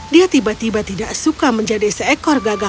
dia tiba tiba tidak suka menjadi seorang burung merah